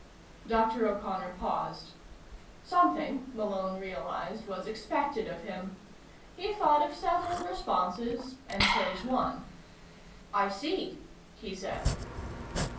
Dr. O'Connor paused. Something, Malone realized, was expected of him. He thought of several responses and chose one. "I see," he said.